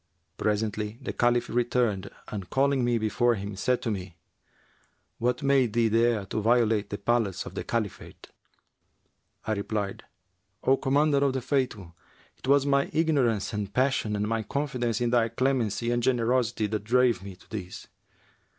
Presently the Caliph returned and calling me before him, said to me, 'What made thee dare to violate the palace of the Caliphate?' I replied, 'O Commander of the Faithful, 'twas my ignorance and passion and my confidence in thy clemency and generosity that drave me to this.'